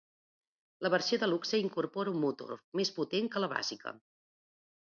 La versió de luxe incorpora un motor més potent que la bàsica.